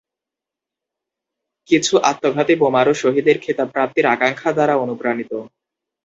কিছু আত্মঘাতী বোমারু শহীদের খেতাব প্রাপ্তির আকাঙ্ক্ষা দ্বারা অনুপ্রাণিত।